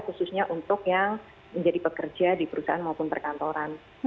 khususnya untuk yang menjadi pekerja di perusahaan maupun perkantoran